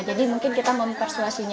jadi mungkin kita mempersuasinya